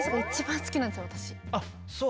あっそう？